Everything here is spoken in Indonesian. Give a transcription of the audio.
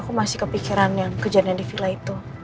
aku masih kepikiran yang kejadian di villa itu